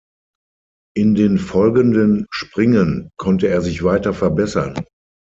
In den folgenden Springen konnte er sich weiter verbessern.